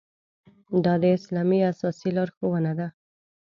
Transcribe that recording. دا د اسلام اساسي لارښوونه ده.